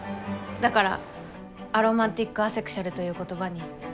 だからアロマンティックアセクシュアルという言葉に。